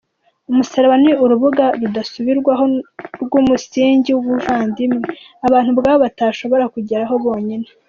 Umusaraba ni “urubuga” rudasubirwaho rw’umusingi w’ubuvandimwe, abantu ubwabo batashobora kugeraho bonyine.